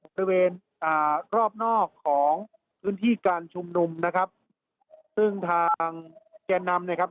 บริเวณอ่ารอบนอกของพื้นที่การชุมนุมนะครับซึ่งทางแก่นำเนี่ยครับ